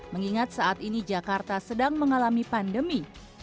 mengingat saat ini jakarta sedang mengalami pandemi